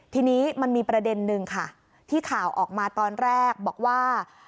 ทีนี้มันมีประเด็นนึงค่ะที่ข่าวออกมาตอนแรกบอกว่า